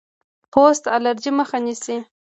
پوست الرجي مخه نیسي.